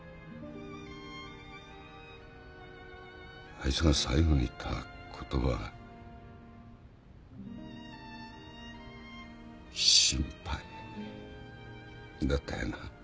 あいつが最後に言った言葉は「心配」だったよな？